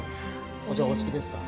お茶お好きですか？